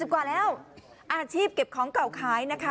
กว่าแล้วอาชีพเก็บของเก่าขายนะคะ